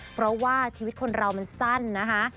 เพราะว่าชีวิตคนเรามันสั้นนะคะ